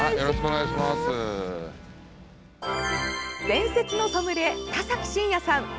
伝説のソムリエ田崎真也さん。